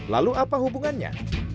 lalu apa hubungannya